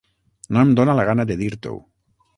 No em dona la gana de dir-t'ho.